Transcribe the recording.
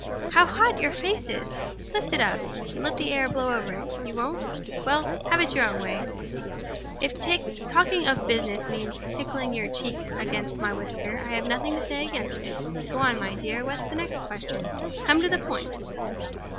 How hot your face is! Lift it up, and let the air blow over it. You won't? Well—have your own way. If talking of business means tickling your cheek against my whisker I've nothing to say against it. Go on, my dear. What's the next question? Come to the point."